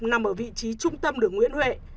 nằm ở vị trí trung tâm đường nguyễn huệ